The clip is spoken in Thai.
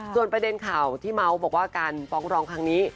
ส่วนประเด็นข่าวที่เมาส์บอกว่าการฟ้องร้องครั้งนี้